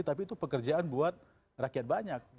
tapi itu pekerjaan buat rakyat banyak